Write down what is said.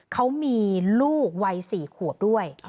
เขามีลูกวัย๔ขวบด้วย